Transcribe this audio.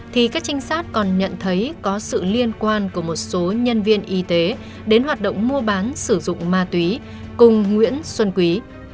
thì các trinh sát còn nhận thấy có sự liên quan của một số nhân viên y tế đến hoạt động mua bán sử dụng ma túy cùng nguyễn xuân quý